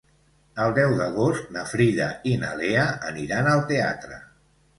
El deu d'agost na Frida i na Lea aniran al teatre.